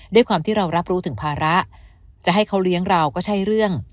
ด้วยความที่เรารับรู้ถึงภาระจะให้เขาเลี้ยงเราก็ใช่เรื่อง